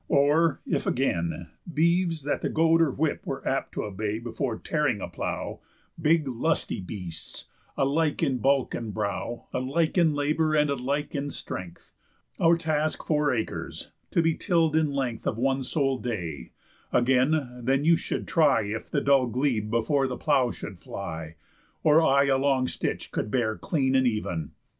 Or if, again, beeves, that the goad or whip Were apt t' obey before a tearing plow, Big lusty beasts, alike in bulk and brow, Alike in labour, and alike in strength, Our task four acres, to be till'd in length Of one sole day; again: then you should try If the dull glebe before the plow should fly, Or I a long stitch could bear clean and even.